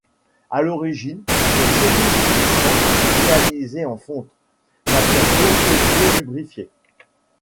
À l'origine, les chemises coulissantes sont réalisées en fonte, matériau auto-lubrifié.